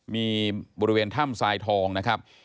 มีบริเวณถ้ำทรายทองนะครับ